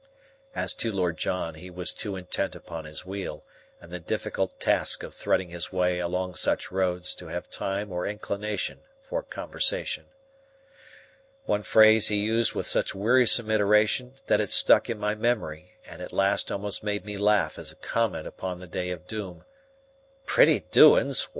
As to Lord John, he was too intent upon his wheel and the difficult task of threading his way along such roads to have time or inclination for conversation. One phrase he used with such wearisome iteration that it stuck in my memory and at last almost made me laugh as a comment upon the day of doom. "Pretty doin's!